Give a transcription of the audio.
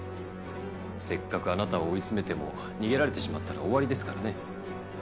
せっかくあなたを追い詰めても逃げられてしまったら終わりですからね。